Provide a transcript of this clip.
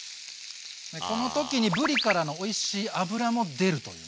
でこの時にぶりからのおいしい脂も出ると。